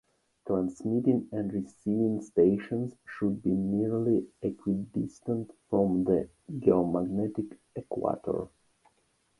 Transmitting and receiving stations should be nearly equidistant from the geomagnetic equator.